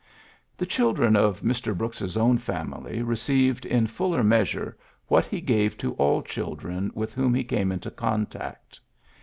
The children of Mr. Brooks's own family received in fuller measure what he gave to all children with whom he came into contact.